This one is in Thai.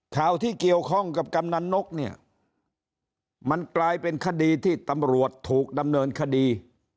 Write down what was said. ข่าวที่เกี่ยวข้องกับกำนันนกเนี่ยมันกลายเป็นคดีที่ตำรวจถูกดำเนินคดี